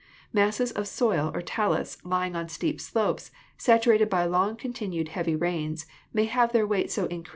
Masses of soil or talus, lying on steep slopes, saturated by long continued, heavy rains, may have their weight so increased Cty?